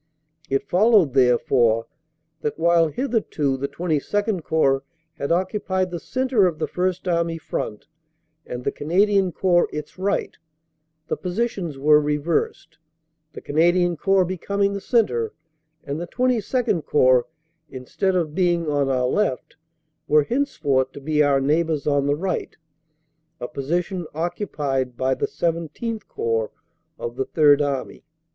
It followed therefore that while hitherto the XXII Corps had occupied the centre of the First Army front and the Canadian Corps its right, the positions were reversed, the Canadian Corps becoming the centre and the XXII Corps, instead of being on our left, were henceforth to be our neighbors on the right, a position hitherto occupied by the XVII Corps of the Third Army.